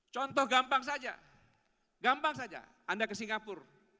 contoh gampang saja gampang saja anda ke singapura